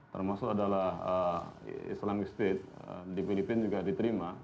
termasuk adalah islamistate di filipina juga diterima